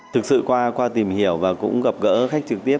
thực sự qua qua tìm hiểu và cũng gặp gỡ khách trực tiếp